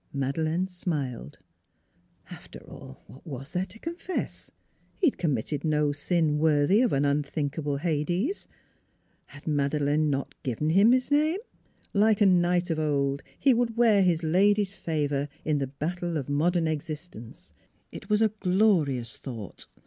... Madeleine smiled. ... After all, what was there to confess? He had committed no sin worthy of an unthinkable Hades. ... Had not Madeleine given him that name? Like a knight of old he would wear his NEIGHBORS 263 lady's favor in the battle of modern existence. It was a glorious thought.